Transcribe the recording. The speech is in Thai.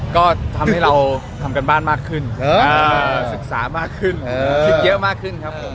ก็ทำให้เราทำการบ้านมากขึ้นศึกษามากขึ้นคิดเยอะมากขึ้นครับผม